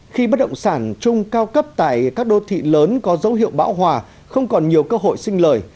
khi bất động sản chung cao cấp tại các đô thị lớn có dấu hiệu bão hòa không còn nhiều cơ hội sinh lời